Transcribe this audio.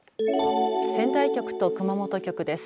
仙台局と熊本局です。